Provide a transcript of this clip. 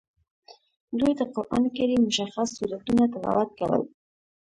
دوی د قران کریم مشخص سورتونه تلاوت کول.